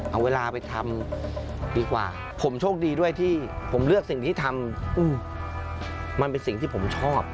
เอาเวลาไปทำดีกว่าผมโชคดีด้วยที่ผมเลือกสิ่งที่ทำมันเป็นสิ่งที่ผมชอบ